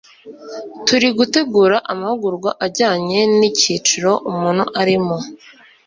turi gutegura amahugurwa ajyanye n'icyiciro umuntu arimo.